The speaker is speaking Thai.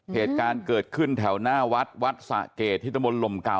เหตุการณ์เกิดขึ้นที่แถวน่าวัดวัสสะเกตหิตมุลโลมเก่า